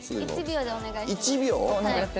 １秒でお願いします。